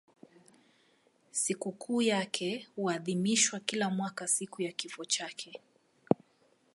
Sikukuu yake huadhimishwa kila mwaka siku ya kifo chake.